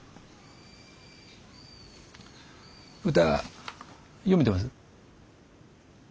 歌詠めてます？